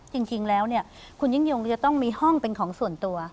จริงแล้วเนี่ยคุณยิ่งยงจะต้องมีห้องเป็นของส่วนตัว